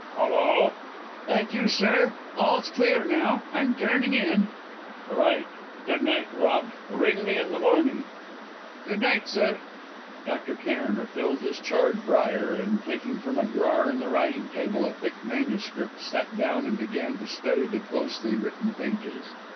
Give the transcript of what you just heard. "Hullo!" "That you, sir? All's clear here, now. I'm turning in." "Right. Good night, Rob. Ring me in the morning." "Good night, sir." Dr. Cairn refilled his charred briar, and, taking from a drawer in the writing table a thick MS., sat down and began to study the closely written pages.